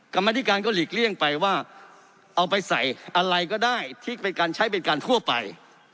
กรรมธิการก็หลีกเลี่ยงไปว่าเอาไปใส่อะไรก็ได้ที่เป็นการใช้เป็นการทั่วไป